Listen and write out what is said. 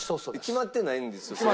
決まってないんですよそれ。